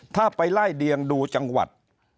ถ้าไปไล่เดียงดูจังหวัด